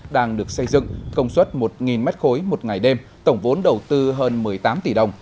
đang được xây dựng công suất một m ba một ngày đêm tổng vốn đầu tư hơn một mươi tám tỷ đồng